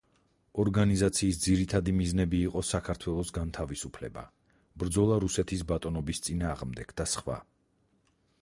ორგანიზაციის ძირითადი მიზნები იყო საქართველოს განთავისუფლება, ბრძოლა რუსეთის ბატონობის წინააღმდეგ და სხვა.